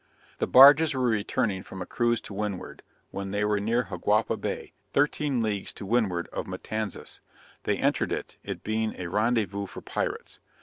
The barges were returning from a cruise to windward; when they were near Jiguapa Bay, 13 leagues to windward of Matanzas, they entered it it being a rendezvous for pirates.